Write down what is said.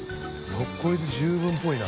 ６個入りで十分ぽいな。